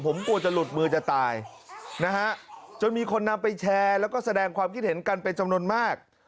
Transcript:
ผมกลัวจะหลุดมือจะตายนะฮะจนมีคนนำไปแชร์แล้วก็แสดงความคิดเห็นกันเป็นจำนวนมาก